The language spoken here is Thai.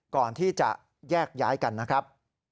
ก่อนที่จะแยกย้ายกันนะครับ